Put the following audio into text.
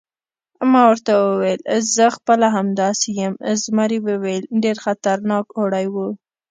ما ورته وویل: زه خپله همداسې یم، زمري وویل: ډېر خطرناک اوړی و.